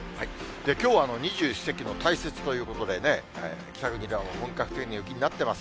きょうは二十四節気の大雪ということで、北国では本格的な雪になってます。